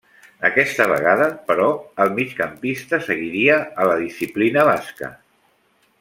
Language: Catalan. Aquesta vegada, però el migcampista seguiria a la disciplina basca.